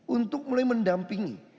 untuk mulai mendampingi